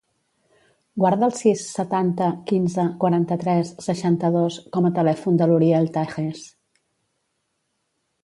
Guarda el sis, setanta, quinze, quaranta-tres, seixanta-dos com a telèfon de l'Uriel Tajes.